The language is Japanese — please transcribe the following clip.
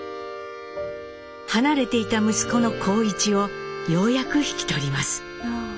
離れていた息子の幸一をようやく引き取ります。